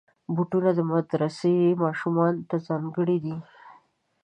بوټونه د مدرسې ماشومانو ته ځانګړي دي.